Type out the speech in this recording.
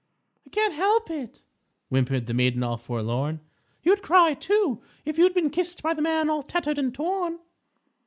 "I can't help it," whimpered the Maiden All Forlorn. "You'd cry, too, if you'd been kissed by the Man All Tattered and Torn."